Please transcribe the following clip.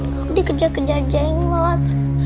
kak dikejar kejar jenglot